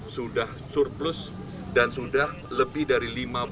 sudah surplus dan sudah lebih dari